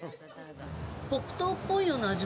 黒糖っぽいような味が。